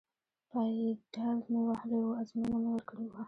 پایډل مې وهلی و، ازموینه مې ورکړې وه.